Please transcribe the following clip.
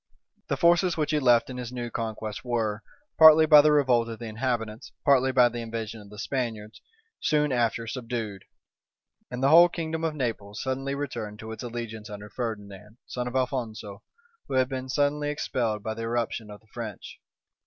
The forces which he left in his new conquest were, partly by the revolt of the inhabitants, partly by the invasion of the Spaniards, soon after subdued; and the whole kingdom of Naples suddenly returned to its allegiance under Ferdinand, son to Alphonso, who had been suddenly expelled by the irruption of the French.